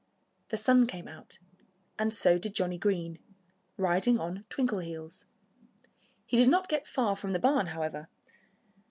The sun came out. And so did Johnnie Green, riding on Twinkleheels. He did not get far from the barn, however.